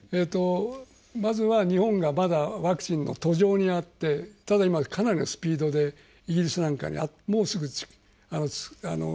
まずは日本がまだワクチンの途上にあってただ今かなりのスピードでイギリスなんかにもうすぐ届くと思います。